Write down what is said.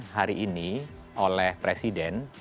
hari ini oleh presiden